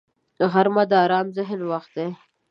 غرمه د آرام ذهن وخت دی